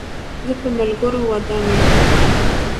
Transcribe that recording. زه په ملګرو ودان یم.